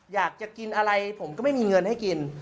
อยากจะกินอะไรผมก็ไม่มีเงินให้กิน